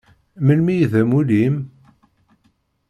Melmi i d amulli-im?